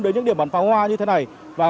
đến những điểm bắn pháo hoa như thế này